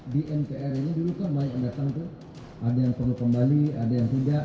di mpr ini dulu kan banyak yang datang tuh ada yang perlu kembali ada yang tidak